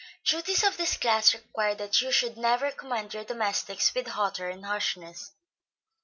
Duties of this class require that you should never command your domestics with hauteur and harshness.